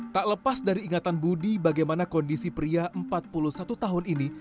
tak lepas dari ingatan budi bagaimana kondisi pria empat puluh satu tahun ini